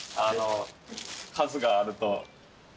数があると。